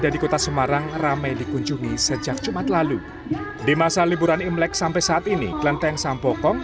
kebetulan ini adalah hari ketiga dari perayaan yang mulai di sampokong